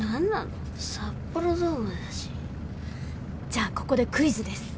じゃあここでクイズです。